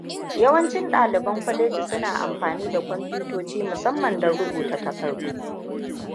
Yawancin ɗaliban kwaleji suna amfani da kwamfutoci musamman don rubuta takardu.